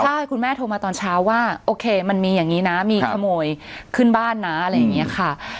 ใช่คุณแม่โทรมาตอนเช้าว่าโอเคมันมีอย่างนี้นะมีขโมยขึ้นบ้านนะอะไรอย่างนี้ค่ะ